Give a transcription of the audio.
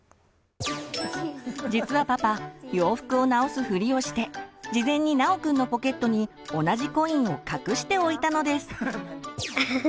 実はパパ洋服を直すフリをして事前に尚くんのポケットに同じコインを隠しておいたのです。